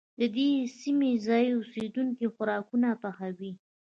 د دې سيمې ځايي اوسيدونکي خوراکونه پخوي.